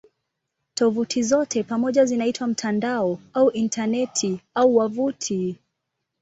Tovuti zote pamoja zinaitwa "mtandao" au "Intaneti" au "wavuti".